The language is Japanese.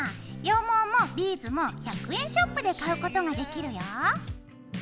羊毛もビーズも１００円ショップで買うことができるよ。